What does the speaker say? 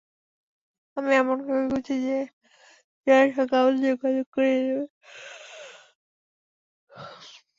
আমি এমন কাউকে খুঁজছি যে জারের সাথে আমাদের যোগাযোগ করিয়ে দেবে।